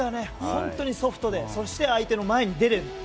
本当にソフトでそして、相手の前に出れる。